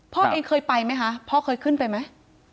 พ่อเองเคยไปไหมคะพ่อเคยขึ้นไปไหม